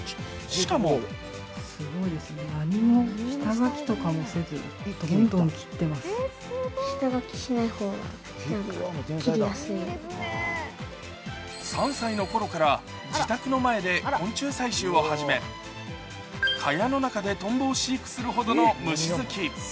しかも３歳のころから自宅の前で昆虫採集を始めかやの中でトンボを飼育するほどの虫好き。